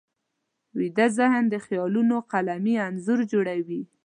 ویده ذهن د خیالونو قلمي انځور جوړوي